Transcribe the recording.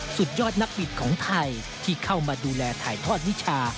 สุดยอดนักบิดของไทยที่เข้ามาดูแลถ่ายทอดวิชา